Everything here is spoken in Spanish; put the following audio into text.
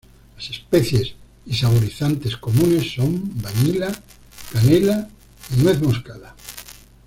Las especias y saborizantes comunes son vanilla, canela y nuez moscada.